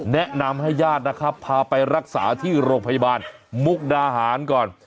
แนะนำให้ญาตินะครับพาไปรักษาที่โรงพยาบาลมุกดาหารก่อน